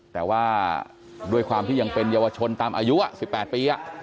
แต่ว่าด้วยความที่ยังเป็นเยาวชนตามอายุ๑๘ปี